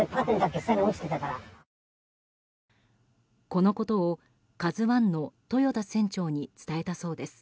このことを「ＫＡＺＵ１」の豊田船長に伝えたそうです。